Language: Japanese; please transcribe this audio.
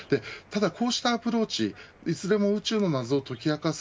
こうしたアプローチいつでも宇宙のなぞを解き明かす